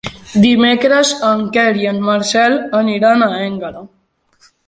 Dimecres en Quer i en Marcel aniran a Énguera.